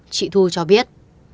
chị thu cho biết